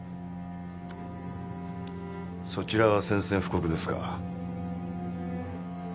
そちらは宣戦布告ですか。